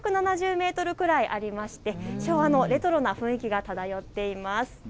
長さが６７０メートルくらいありまして、昭和のレトロな雰囲気が漂っています。